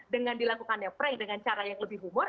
dengan dilakukannya prank dengan cara yang lebih humor